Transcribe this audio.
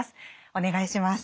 お願いします。